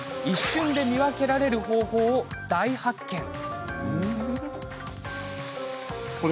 一瞬で見分けられる方法を大発見。